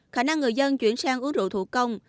khả năng người dân chuyển sang uống rượu thủ công